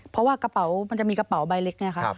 เพราะว่ากระเป๋ามันจะมีกระเป๋าใบเล็กไงครับ